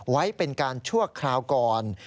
ไว้เป็นการชั่วคราวก่อน